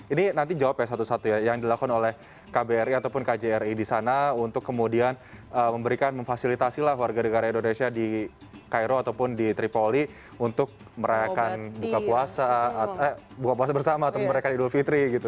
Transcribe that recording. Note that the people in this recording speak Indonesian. ini nanti jawab ya satu satu ya yang dilakukan oleh kbri ataupun kjri di sana untuk kemudian memberikan memfasilitasi lah warga negara indonesia di cairo ataupun di tripoli untuk merayakan buka puasa bersama atau merayakan idul fitri gitu